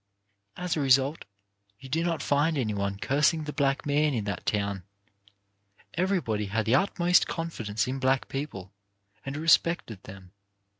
As a result you do not find any one cursing the black man in that town. Everybody had the utmost confidence in black people, and respected them.